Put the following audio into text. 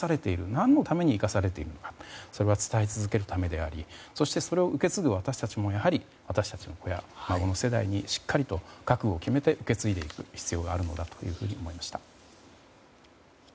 何のために生かされているかそれは伝え続けるためであり受け継ぐ私たちも子供や孫の世代に覚悟を決めて受け継いでいく必要があると思いました。